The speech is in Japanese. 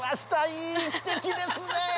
いい汽笛ですね。